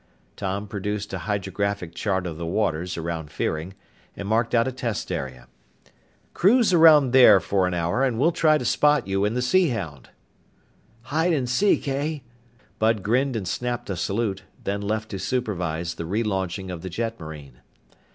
Tom produced a hydrographic chart of the waters around Fearing and marked out a test area. "Cruise around there for an hour and we'll try to spot you in the Sea Hound." "Hide and seek, eh?" Bud grinned and snapped a salute, then left to supervise the relaunching of the jetmarine.